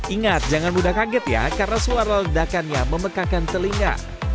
ingat jangan mudah kaget ya karena suara ledakannya memekakan telinga